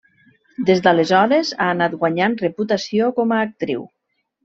Des d'aleshores ha anat guanyant reputació com a actriu.